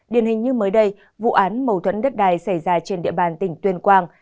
điển hình như mới đây vụ án mâu thuẫn đất đai xảy ra trên địa bàn tỉnh tuyên quang